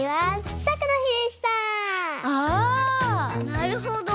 なるほど。